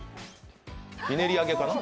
ひねり上げかな？